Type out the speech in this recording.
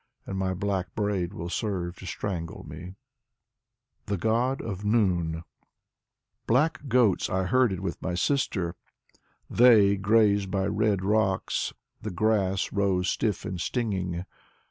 And my black braid will serve to strangle me. Ivan Bunin 95 THE GOD OF NOON Black goats I herded with my sister; they Grazed by red rocks; the grass rose stiff and stinging.